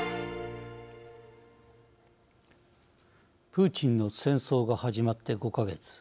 「プーチンの戦争」が始まって５か月。